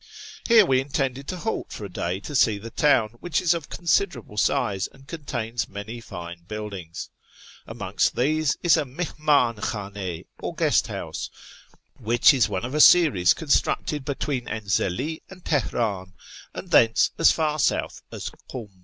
Here we intended to halt for a day to see the town, which is of considerable size and contains many fine buildings. Amongst these is a mihmdn hhdiiA, or guest house, which is one of a series constructed between Enzeli and Teheriin, and thence as far south as Kum.